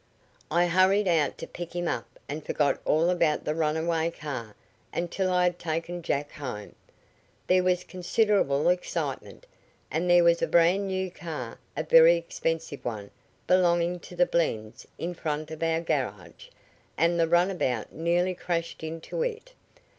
I hurried out to pick him up, and I forgot all about the runaway car until I had taken Jack home. There was considerable excitement, as there was a brand new car, a very expensive one, belonging to the Blends, in front of our garage, and the runabout nearly crashed into it.